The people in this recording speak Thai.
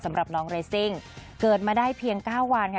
สำหรับน้องเรซิ่งเกิดมาได้เพียง๙วันค่ะ